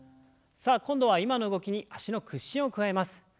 さあ今度は今の動きに脚の屈伸を加えます。